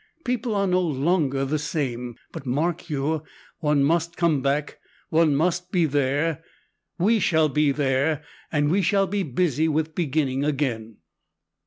People are no longer the same. But, mark you, one must come back, one must be there! We shall be there, and we shall be busy with beginning again!"